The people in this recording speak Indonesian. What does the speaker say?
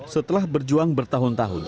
setelah berjuang bertahun tahun